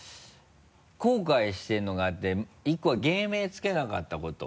後悔してるのがあって１個は芸名つけなかったこと。